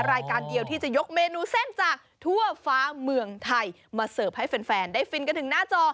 รายการเดียวที่จะยกเมนูเส้นจากทั่วฟ้าเมืองไทยมาเสิร์ฟให้แฟนได้ฟินกันถึงหน้าจอ